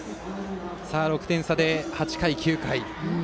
６点差で８回と９回。